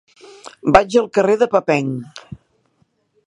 Vaig al carrer de Papin.